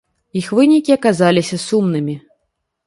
Іх вынікі аказаліся сумнымі.